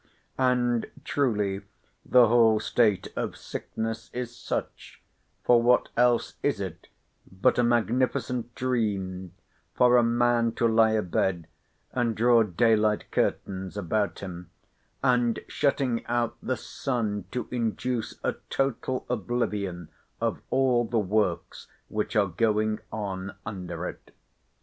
And truly the whole state of sickness is such; for what else is it but a magnificent dream for a man to lie a bed, and draw day light curtains about him; and, shutting out the sun, to induce a total oblivion of all the works which are going on under it?